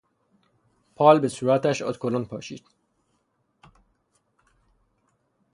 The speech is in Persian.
پال به صورتش ادوکلن پاشید.